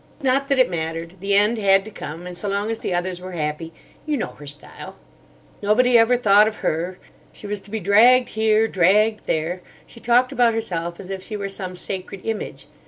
Not that it mattered. The end had to come, and so long as the others were happy—you know her style. Nobody ever thought of her. She was to be dragged here, dragged there. She talked about herself as if she were some sacred image.